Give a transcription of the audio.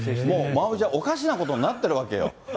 もうまおみちゃん、おかしなことになってるわけよ。